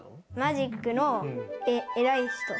マジックの偉い人。